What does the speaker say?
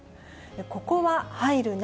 ここは入るな！